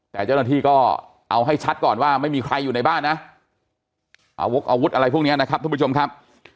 แต่เจ้าหน้าที่ก็เอาให้ชัดก่อนว่าไม่มีใครอยู่ในบ้านนะอาวกอาวุธอะไรพวกนี้นะครับทุกผู้ชมครับ